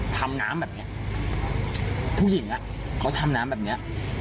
ทำหนามแบบเนี่ยผู้หญิงเขาทำหนามแบบเนี่ย